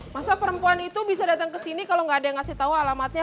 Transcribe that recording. masa perempuan itu bisa datang kesini kalau gak ada yang ngasih tau alamatnya